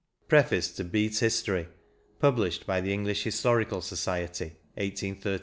— Preface to "Bede's History," puhlished hy the English Historical Society, 1838. 45 XXII.